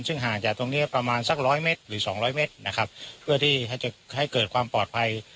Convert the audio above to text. ซึ่งห่างจากตรงนี้ประมาณสักร้อยเมตรหรือสองร้อยเมตรนะครับเพื่อที่จะให้เกิดความปลอดภัย